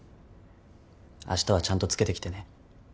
あしたはちゃんとつけてきてね。